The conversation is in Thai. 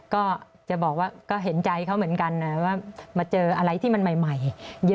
ก็จะบอกว่าก็เห็นใจเขาเหมือนกันนะว่ามาเจออะไรที่มันใหม่เยอะ